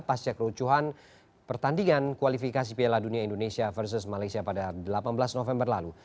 pasca kerucuhan pertandingan kualifikasi piala dunia indonesia versus malaysia pada delapan belas november lalu